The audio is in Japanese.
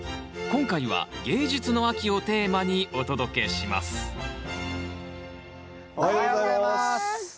今回は芸術の秋をテーマにお届けしますおはようございます！